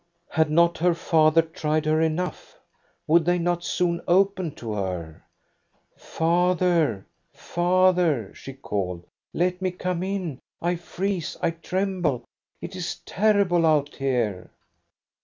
Had not her father tried her enough? Would they not soon open to her? " Father, father !" she called. " Let me come in ! I freeze, I tremble. It is terrible out here